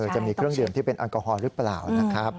จะมีเครื่องดื่มที่เป็นแอลกอฮอลหรือเปล่านะครับ